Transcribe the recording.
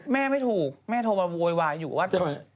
แม่ไม่ถูกแม่โทรมาโวยวายอยู่ว่าจะ